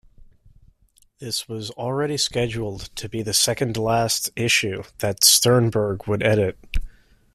This was already scheduled to be the second last issue that Sternberg would edit.